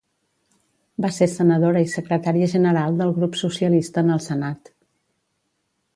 Va ser senadora i secretària general del Grup Socialista en el Senat.